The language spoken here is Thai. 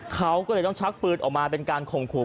เขาก็เลยต้องชักปืนออกมาเป็นการข่มขู่